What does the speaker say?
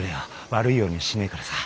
悪いようにはしねえからさ。